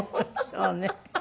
そうね。